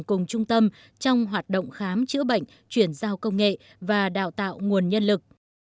cùng trung tâm trong hoạt động khám chữa bệnh chuyển giao công nghệ và đào tạo nguồn nhân lực